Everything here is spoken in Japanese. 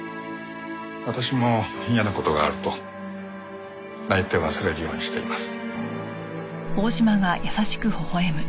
私も嫌な事があると泣いて忘れるようにしています。